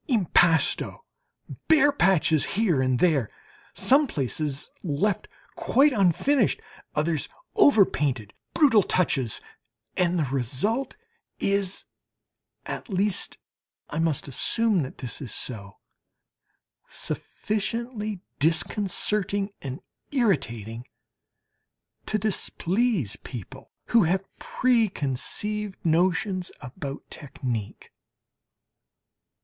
Impasto bare patches here and there some places left quite unfinished others overpainted brutal touches, and the result is (at least I must assume that this is so) sufficiently disconcerting and irritating to displease people who have pre conceived notions about technique.